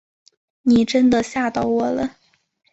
你真的吓到我了